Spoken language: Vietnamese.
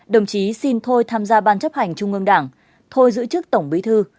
đồng chí xin thôi tham gia ban chấp hành trung ương đảng thôi giữ chức tổng bí thư